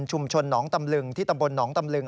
หนองตำลึงที่ตำบลหนองตำลึง